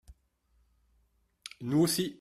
Nous aussi